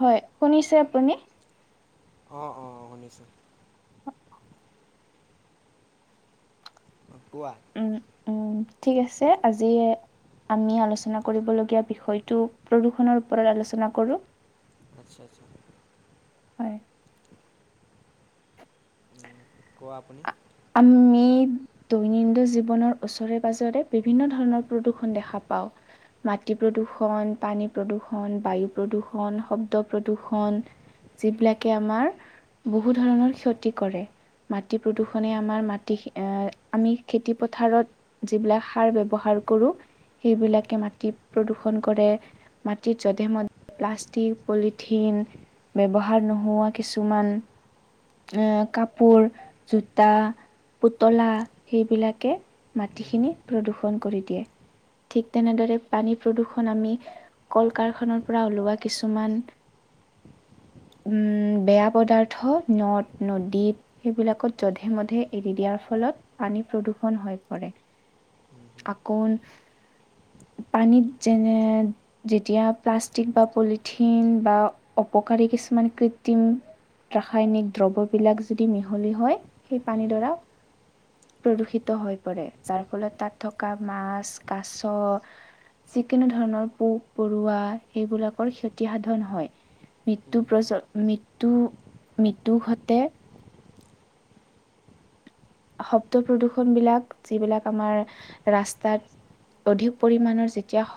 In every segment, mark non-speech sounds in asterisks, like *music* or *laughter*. হয় শুনিছে আপুনি? অ অ শুনিছো। অঁ কোৱা উম উম ঠিক আছে আজি আমি আলোচনা কৰিবলগীয়া বিষয়টো প্ৰদূষণৰ ওপৰত আলোচনা কৰো। নে চাইছো। উম, কোৱা আপুনি? আমি দৈনন্দিন জীৱনৰ ওচৰে পাজৰে বিভিন্ন ধৰণৰ প্ৰদূৰণ দেখাব পাওঁ। মাটি প্ৰদূষণ, পানী প্ৰদূষণ, বায়ু প্ৰদূষণ, শব্দ প্ৰদূষণ যিবিলাকে আমাৰ বহু ধৰণৰ ক্ষতি কৰে মাটি হুম প্ৰদূষ খনে হুম আমাৰ মাটি আমি খেতি পথাৰত যিবিলাক সাৰ ব্যৱহাৰ কৰো। হুম সেইবিলাকে মাটিত প্ৰদূষন কৰে মাটিত যধে মধে প্লাষ্টিক, পলিথিন ইন ব্যৱহাৰ নোহোৱা কিছুমান এ কাপোৰ জোত তা, পুতলা সেইবিলাকে হুম মাটিখিনি প্ৰদূষণ কৰি দিয়ে। ঠিক তেনেদৰে পানী প্ৰদূৰ্ষণ আমি কল কাৰখাৰ পৰা ওলোৱা কিছুমান উম বেয়া পদাৰ্থ নদ নদীত সেইবিলাকত যধে মধে এৰি দিয়াৰ ফলত পানী প্ৰদূষণ হৈ পৰে হুম হুম আকৌণ পানীত যেনে যেতিয়া প্লাষ্টিক বা পলিথিন বা উপকাৰী কিছুমান কৃত্ৰিম ৰাসায়নিক দ্ৰব্যবিলাক যদি মিহলি হয় সেই হুম পানীডৰা প্ৰদূষিত হৈ পৰে যাৰ ফলত তাত থকা মাছ কাছ যিকোনো ধৰণৰ পোক পৰুৱা সেইবিলাকৰ ক্ষতি সাধন হয়। হুম মৃত্যু হুম প্ৰজ মৃত্যু মৃত্যু ঘটে শব্দ প্ৰদূষন বিলাক যিবিলাক আমাৰ ৰাস্তাত অধিক পৰিমাণৰ যেতিয়া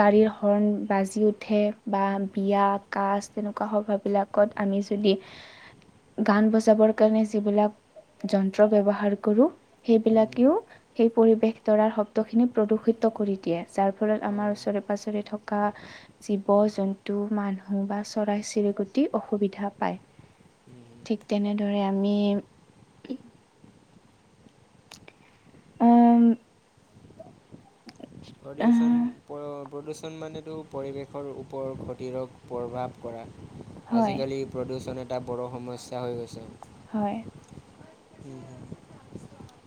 গাড়ীৰ হৰ্ণ বাজি উঠে বা বিয়া কাজ তেনেকুৱা সভা বিলাকত আমি যদি গান বজাবৰ কাৰণে যিবিলাক যন্ত্ৰ ব্যৱহাৰ কৰো হুম হুম সেইবিলাকেও সেই পৰিৱেশ দৰাৰ শব্দ খিনি প্ৰদূষিত কৰি দিয়ে যাৰ ফলত আমাৰ অঁ পাছৰে থকা জীৱ জন্তু মানুহ বা চৰাই চিৰিকটি অসুবিধা পায়। হুম হুম ঠিক তেনেদৰে আমি উম প্ৰডিউচন আহ প্ৰডউচ প্ৰডিছনমানেতো পৰিৱেশৰ ওপৰত ক্ষতিকাৰক প্ৰভাৱ কৰা হয় আজিকালি প্ৰদূচন এটা বৰ সমস্যা হৈ গৈছে হয়, হুম হুম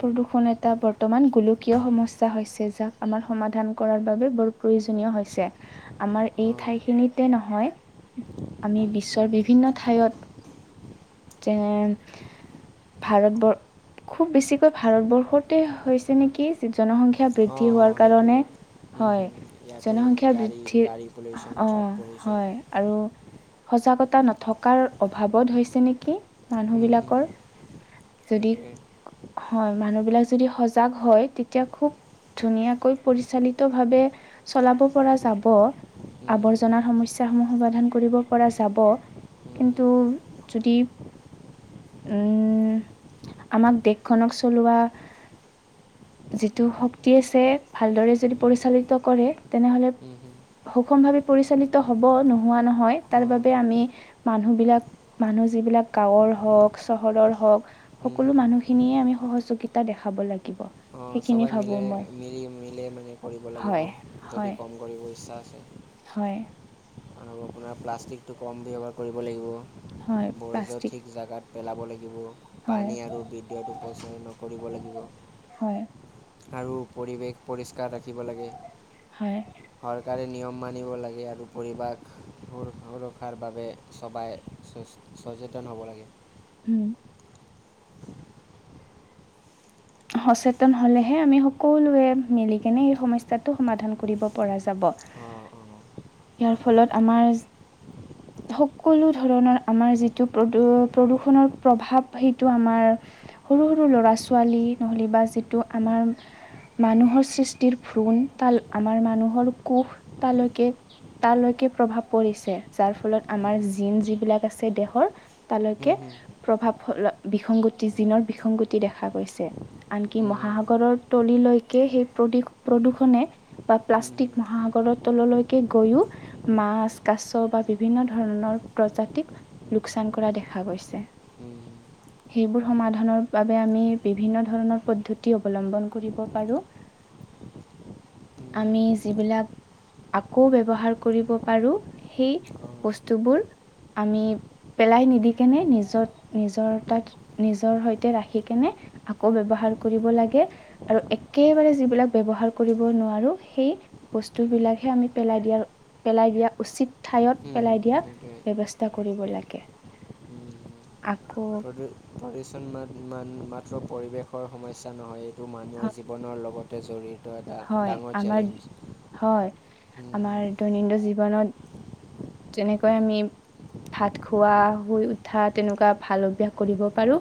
প্ৰদূষণ এটা বৰ্তমান গোলকীয় সমস্যা হৈছে যাক আমাৰ সমাধান কৰাৰ বাবে বৰ প্ৰয়ো প্ৰয়োজনীয় হৈছে, আমাৰ এই অঁ ঠাইখিনিতে নহয় আমি হুম বিশ্বৰ হুম বিভিন্ন ঠাইত, যে ভাৰতবৰ খুব বেছিকৈ ভাৰতবৰ্ষতে হৈছে নেকি জনসংখ্য শিক্ষা অঁ বৃদ্ধি অঁ হোৱাৰ সেইটোৱে কাৰণে, হুম হয়। হুম ইয়াতে জনসংখ্যা গাড়ী বৃদ্ধিৰ, গাড়ী পলিউশ্যন অ! ট্ৰাক পলিউশ্যন হয় আৰু সজাগতা নথকাৰ অভাৱত হৈছে নেকি? হুম হুম মানুহবিলাকৰ যদি সেইটোৱে হয় মানুহবিলাক যদি সজাগ হয় তেতিয়া খুব ধুনীয়াকৈ পৰিচালিত ভাৱে চলাব পৰা যাব। হুম হুম আৱৰ্জনাৰ সমস্যাসমূহ সমাধান কৰিব পৰা যাব, হুম হুম কিন্তু যদি উম আমাক দেশখনক চলোৱা যিটো শক্তি আছে ভালদৰে যদি পৰিচালিত কৰে তেনেহলে হুম হুম সুষম ভাৱে পৰিচালিত হব নোহোৱা নহয় অঁ তাৰবাবে আমি মানুহবিলাক মানু মানুহ যিবিলাক গাঁৱৰ হওঁক চহৰৰ হওক হুম সকলো হুম মানুহখিনিয়ে আমি সহযোগিতা দেখাব লাগিব। অঁ সেইখিনি সবাই ভাবোঁ মিলে মই মিলি মিলে মানে কৰিব লাগিব হয় যদি হয় কম কৰিব ইচ্ছা আছে। হয়। আৰু আপোনাৰ প্লাষ্টিকটো কম ব্যৱহাৰ কৰিব লাগিব, হয় বৰেজৰ প্লাষ্টিক ঠিক জোগাত পেলাব লাগিব হয় পানী আৰু বিদ্যুত উপচয় নকৰিব লাগিব। হয়, আৰু পৰিৱেশ পৰিষ্কাৰ ৰাখিব লাগে। হয়। কাৰে নিয়ম মানিব লাগে আৰু পৰিৱাক স সুৰক্ষাৰ বাবে সবাই স, সচেতন হ'ব লাগে। উম! সচেতন হলেহে আমি সকলোৱে মিলি কেনি এই সমস্যাটো সমাধান কৰিব পৰা যাব। অঁ অঁ ইয়াৰ ফলত আমাৰ সকলো ধৰণৰ আমাৰ যিটো প্ৰদূ প্ৰদূৰষণৰ প্ৰভাৱ সেইটো আমাৰ, সৰু সৰু ল'ৰা ছোৱালী নহ'লে বা যিটো আমাৰ, মানুহৰ সৃষ্টিৰ ভ্ৰণ তাল আমাৰ মানুহৰ কোষ তালৈকে তালৈকে, প্ৰভাৱ পৰিছে যাৰ ফলত আমাৰ জম যিবিলাক আছে দেহৰ তালৈকে হুম হুম প্ৰভাৱ ভাৱ বিসংগতি জিনৰ বিসংগতি দেখা গৈছে, আনকি হুম মহাসাগৰৰ তলিলৈকে সেই প্ৰদূ প্ৰদূষণে বা হুম হুম হুম প্লাষ্টিক মহ সাগৰৰ তললৈকে গৈও মাছ কাছ বা বিভিন্ন ধৰণৰ প্ৰজাতিক, লোকচান কৰা দেখা গৈছে। উমু! ! সেইবোৰ সমাধানৰ বাবে আমি বিভিন্ন ধৰণৰ পদ্ধতি অৱলম্বন কৰিব পাৰো। হুম আমি হুম যিবিলাক, আকৌ ব্যৱহাৰ কৰিব পাৰো সেই হুম অঁ বস্তুবোৰ আমি, পেলাই নিদি কেনে নিজৰ নিজৰ তাক নিজৰ সৈতে ৰাখি কেনে আকৌ ব্যৱহাৰ কৰিব লাগে আৰু একেবাৰে যিবিলাক ব্যৱহাৰ কৰিব নোৱাৰো সেই বস্তুবিলাকহে আমি পেলাই দিয়াৰ পেলাই দিয়া উচিত ঠাইত হুম হুম পেলাই দিয়া সেইটোৱে ব্যৱস্থা কৰিব লাগে। *inaudible* প্ৰদ প্ৰদূষণ মাত্ৰ পৰিৱেশৰ সমস্যা নহয়। টো মানুহৰ হ- জীৱনৰ লগতে জড়িৰ হয়, আমাৰ হয়, উম, আমাৰ দৈনন্দিন জীৱনত তেনেকৈ আমি ভাত খোৱা, শুই উঠা তেনেকুৱা ভাল অভ্যাস কৰিব পাৰোঁ,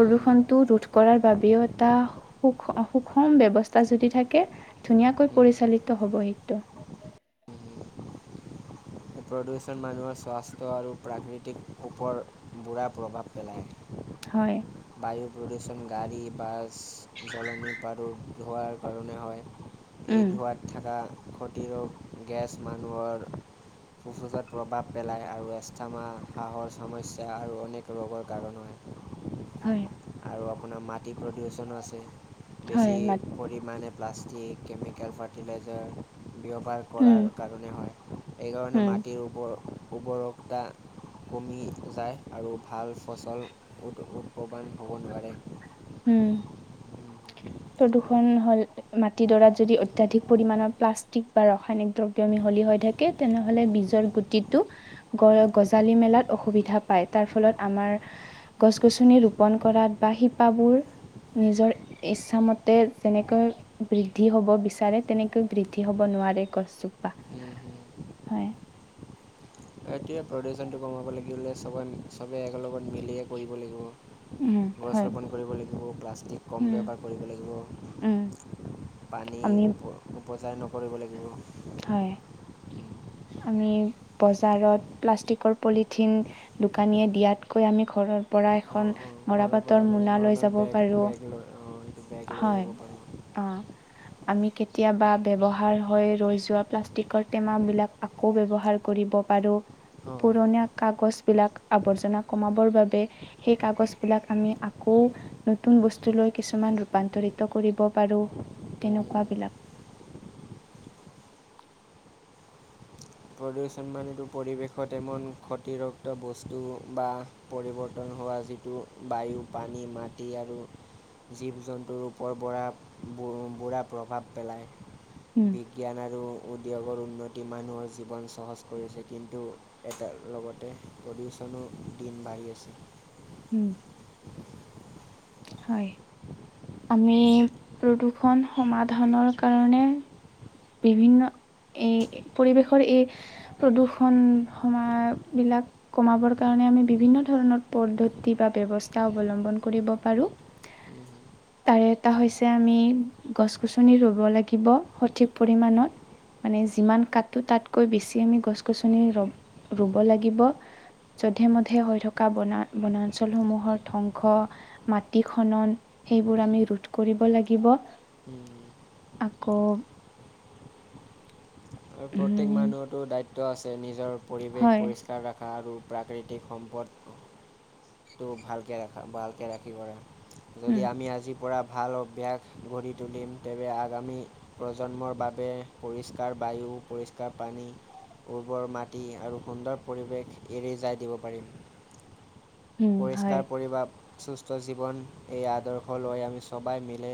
উম, ৰোধ কৰাৰ বাবেও এটা সুষ-সুষম ব্যৱস্থা যদি থাকে ধুনীয়াকৈ উম, পৰিচালিত হ'ব এইটো। উম। প্ৰদূষণ মানুহৰ স্বাস্থ্য আৰু প্ৰাকৃতিক ওপৰত বুৰা প্ৰভাৱ পেলায়। হয়। প্ৰদুষণ গাড়ী, বাছ জ্বলনি আৰু ধোঁৱাৰ কাৰণে হয়। এই উম ধোঁৱাত থকা ক্ষতিৰোগ গেছ মানুহৰ- ফুফোজাত প্ৰভাৱ পেলায় আৰু এষ্টামা, কাহৰ সমস্যা আৰু অনেক ৰোগৰ কাৰণ হয়। হয় আৰু আপোনাৰ মাটি প্ৰদূষনো আছে হয় বেছি মাত পৰিমাণে প্লাষ্টিক কেমিকেল ফাৰ্টিলাইজাৰ ব্যৱহাৰ উম কৰাৰ কাৰণে হয়। এইকাৰণে মানে উম মাটিৰ উৰ্বৰ উৰ্বৰতা কমি যায় আৰু ভাল ফচল উৎপাদন হ'ব নোৱাৰে। হম প্ৰদূষণ হ'ল মাটিডৰাত যদি অত্যাধিক পৰিমাণৰ প্লাষ্টিক বা ৰাসায়নিক দ্ৰব্য মিহলি হৈ থাকে তেনেহ'লে বীজৰ গুটিটো গ গজালি মেলাত অসুবিধা পায় তাৰ ফলত আমাৰ গছ-গছনি ৰোপণ কৰাত বা শিপাবোৰ নিজৰ ইচ্ছা মতে যেনেকৈ বৃদ্ধি হ'ব বিচাৰে তেনেকৈ বৃদ্ধি হ'ব নোৱাৰে গছজোপা। হয়। এতিয়া প্ৰদূ্ষনটো কমাব লাগিলে চবে একেলগত মিলিয়ে কৰিব উম লাগিব। হয় গছ ৰোপন কৰিব লাগিব, প্লাষ্টিক কম উম ব্যৱহাৰ কৰিব উম লাগিব। পানী আমি উপ- উপচাৰ নকৰিব লাগিব। হয়। আমি বজাৰত প্লাষ্টিকৰ পলিথিন দোকানীয়ে দিয়াতকৈ আমি ঘৰৰ পৰা এখন অঁ অঁ ঘৰৰ মৰাপাট পৰা নৰ্মেল বেগ বেগ লৈ বেগ লৈ হয়। যাব পাৰোঁ অ', আমি কে কেতিয়াবা ব্যৱহাৰ হৈ ৰৈ যোৱা প্লাষ্টিকৰ টেমাবিলাক আকৌ ব্যৱহাৰ কৰিব পাৰো। অঁ অঁ পুৰণা কাগজ বিলাক আৱৰ্জনা কমাবৰ বাবে সেই কাগজ বিলাক আমি আকৌ নতুন বস্তু লৈ কিছুমান ৰূপান্তৰিত কৰিব পাৰো তেনেকুৱা বিলাক প্ৰদূষণ মানেতো পৰিৱেশত এমন ক্ষতিৰক্ত বস্তু বা পৰিৱৰ্তন হোৱা যিটো বায়ু, পানী, মাটি আৰু জীৱ- জন্তুৰ ওপৰত বুৰা বুৰা প্ৰভাৱ পেলায়। উম, বিজ্ঞান আৰু উদ্যোগৰ উন্নতি মানুহৰ জীৱন সহজ কৰি আছে কিন্তু এটাৰ লগতে প্ৰদুষনো দিন বাঢ়ি আছে। উম হয় আমি প্ৰদূষণ সমাধানৰ কাৰণে বিভিন্ন এই পৰিৱেশৰ এই প্ৰদূষণ সমা বিলাক কমাবৰ কাৰণে আমি বিভিন্ন ধৰণৰ পদ্ধতি বা ব্যৱস্থা অৱলম্বন কৰিব পাৰোঁ। তাৰে এটা হৈছে আমি গছ- গছনি ৰুব লাগিব সঠিক পৰিমাণত মানে যিমান কাটো তাতকৈ বেছি আমি গছ -গছনি ৰ ৰুব লাগিব যধে- মধে হৈ থকা বনা বনাঞ্চলসমূহৰ ধ্বংস, মাটি খনন সেইবোৰ আমি ৰোধ কৰিব লাগিব। *unintelligible* আকৌ আৰু প্ৰত্যেক উম মানুহতো দায়িত্ব আছে নিজৰ পৰিৱেশ হয় পৰিষ্কাৰ ৰাখা আৰু প্ৰাকৃতিক সম্পদটো ভালকে ৰাখা ভালকৈ ৰাখিবলৈ উম যদি আমি আজি পৰা ভাল অভ্যাস গঢ়ি তুলিম তেৱে আগামী প্ৰজন্মৰ বাবে পৰিষ্কাৰ বায়ু পৰিষ্কাৰ পানী উৰ্বৰ মাটি আৰু সুন্দৰ পৰিৱেশ এৰি যায় দিব পাৰিম। উম হয়। পৰিষ্কাৰ পৰিভাপ সুস্থ জীৱন এই আদৰ্শ লৈ আমি সবাই মিলে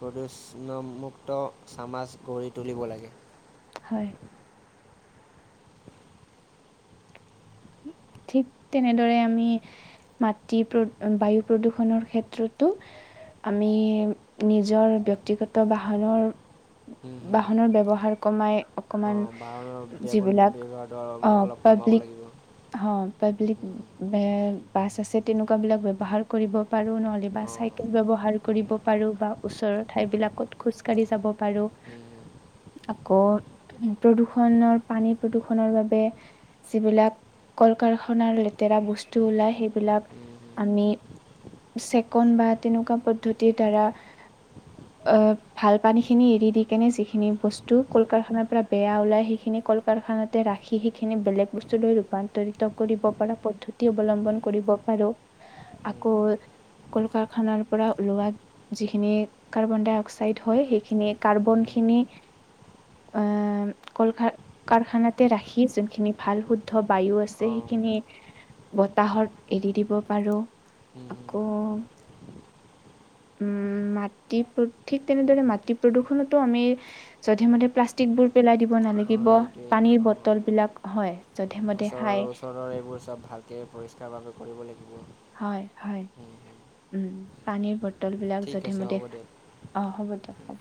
প্ৰদূষণ'মুক্ত চামাজ গঢ়ি তুলিব লাগে। হয়। ঠিক তেনেদৰে আমি মাটি বায়ু প্ৰদূৰ্ষণৰ ক্ষেত্ৰতো আমি নিজৰ ব্যক্তিগত বাহনৰ বাহনৰ ব্যৱহাৰ কমাই অকমান ডেৱনটো যিবিলাক ব্যৱহাৰটো অল-অলপ কমাব লাগিব। খন পাব্লিক ভেন, বাছ আছে তেনেকুৱাবিলাক ব্যৱহাৰ কৰিব পাৰোঁ নহ'লেবা অঁ চাইকেল ব ব্যৱহাৰ কৰিব পাৰোঁ বা ওচৰৰ ঠাইবিলাকত খোজকাঢ়ি যাব পাৰোঁ। আকৌ প্ৰদূৰ্ষণৰ পানী প্ৰদূৰ্ষণৰ বাবে যিবিলাক- কল কাৰখানাৰ লেতেৰা বস্তু ওলাই সেইবিলাক আমি চেকন বা তেনেকুৱা পদ্ধতিৰ দ্বাৰা অ', ভাল পানীখিনি এৰি দি কেনে যিখিনি বস্তু কল কাৰখানাৰ পৰা বেয়া ওলাই সেইখিনি কল কাৰখানাতে ৰাখি সেইখিনি বেলেগ বস্তু লৈ ৰূপান্ত ৰিত কৰিব পৰা পদ্ধতি অৱলম্বন কৰিব পাৰোঁ আকৌ কল কাৰখানাৰ পৰা ওলোৱা যিখিনি কাৰ্বন ড্ৰাই অক্সাইড হয়। সেইখিনি কাৰ্বন খিনি আহ কল কাৰখানাতে ৰাখি যোনখিনি ভাল শুদ্ধ বায়ু অঁ সেইখিনি বতাহত এৰি দিব পাৰোঁ। আকৌ উম। মাটি প্ৰ ঠিক তেনেদৰে মাটি প্ৰদূষণতো আমি যধে মধে প্লষ্টিক বোৰ পেলাই দিব অঁ নালাগিব। এইটোৱে পানীৰ অঁ বটল বিলাক হয়। যধে মধে ওচৰৰ খাই ওচৰৰৰে এইবোৰ চ'ব ভালকে পৰিষ্কাৰ বাবে কৰিব লাগিব। হয়, হয় উম, পানীৰ বট বটল বিলাক ঠিক যধে আছে মধে হ'ব দিয়ক অ' হ'ব দিয়ক, হ'ব।